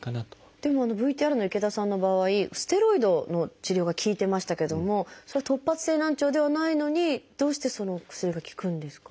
でもＶＴＲの池田さんの場合ステロイドの治療が効いてましたけども突発性難聴ではないのにどうしてその薬が効くんですか？